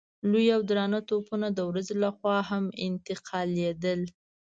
لوی او درانه توپونه د ورځې له خوا هم انتقالېدل.